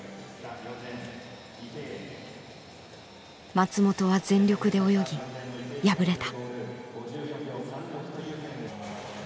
松本は全力で泳ぎ敗れた。